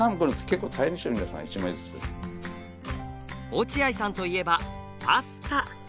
落合さんといえばパスタ。